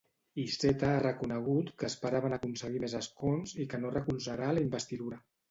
Iceta ha reconegut que esperaven aconseguir més escons i que no recolzarà la investidura.